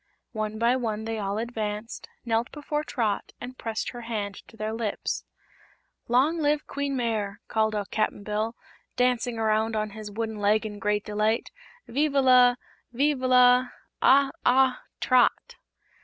One by one they all advanced, knelt before Trot and pressed her hand to their lips. "Long live Queen Mayre!" called out Cap'n Bill, dancing around on his wooden leg in great delight; "vive la vive la ah, ah Trot!"